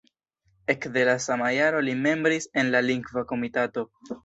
Ekde la sama jaro li membris en la Lingva Komitato.